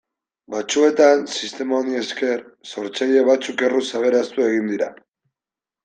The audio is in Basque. Batzuetan, sistema honi esker, sortzaile batzuk erruz aberastu egin dira.